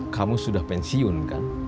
kamu sudah pensiun kan